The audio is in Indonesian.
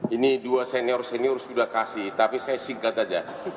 ini dua senior senior sudah kasih tapi saya singkat saja